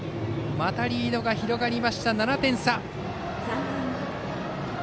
またリードが広がり７点差。